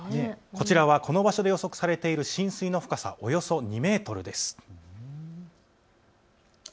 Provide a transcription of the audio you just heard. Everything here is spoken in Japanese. こちらはこの場所で予測されている浸水の深さおよそ２メートルです。